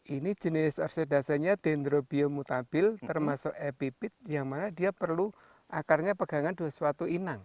ini jenis orsedasenya dendrobio mutabil termasuk epipit yang mana dia perlu akarnya pegangan suatu inang